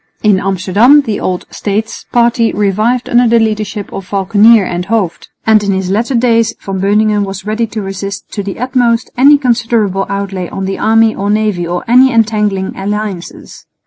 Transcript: In Amsterdam the old "States" party revived under the leadership of Valckenier and Hooft; and in his latter days Van Beuningen was ready to resist to the utmost any considerable outlay on the army or navy or any entangling alliances.